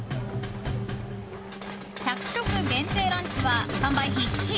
１００食限定ランチは完売必至！